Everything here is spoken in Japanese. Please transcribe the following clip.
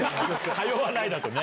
「通わない」だとね。